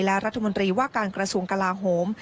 และรัฐมนตรีว่าการกระทรวงกลาโหม